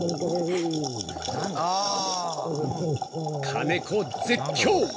［金子絶叫！